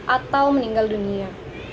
atau meninggal dunia